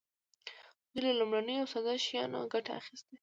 دوی له لومړنیو او ساده شیانو ګټه اخیسته.